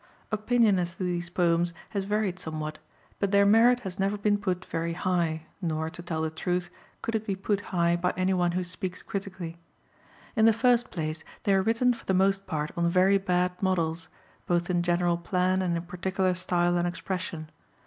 Opinion as to these poems has varied somewhat, but their merit has never been put very high, nor, to tell the truth, could it be put high by any one who speaks critically. In the first place, they are written for the most part on very bad models, both in general plan and in particular style and expression.